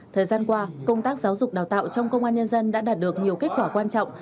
thời gian qua công tác giáo dục đào tạo trong công an nhân dân đã đạt được nhiều kết quả quan trọng